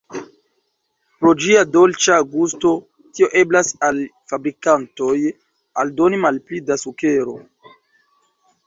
Pro ĝia dolĉa gusto, tio eblas al fabrikantoj aldoni malpli da sukero.